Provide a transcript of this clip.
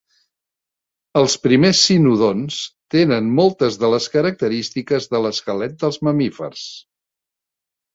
Els primers cinodonts tenen moltes de les característiques de l'esquelet dels mamífers.